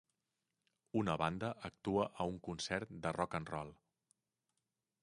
Una banda actua a un concert de rock and roll.